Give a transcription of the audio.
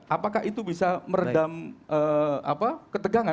apakah itu bisa meredam ketegangan